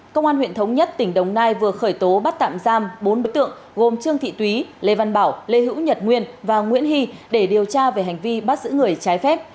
công an huyện thống nhất tỉnh đồng nai vừa khởi tố bắt tạm giam bốn đối tượng gồm trương thị thúy lê văn bảo lê hữu nhật nguyên và nguyễn hy để điều tra về hành vi bắt giữ người trái phép